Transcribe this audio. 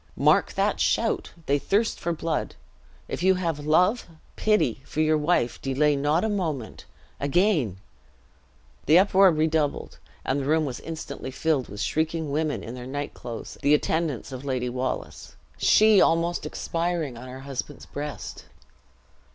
Mark that shout! they thirst for blood. If you have love, pity, for your wife, delay not a moment. Again " The uproar redoubled, and the room was instantly filled with shrieking women in their night clothes, the attendants of Lady Wallace. She almost expiring, on her husband's breast.